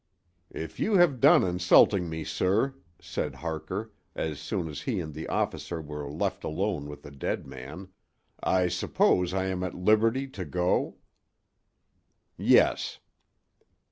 "If you have done insulting me, sir," said Harker, as soon as he and the officer were left alone with the dead man, "I suppose I am at liberty to go?" "Yes."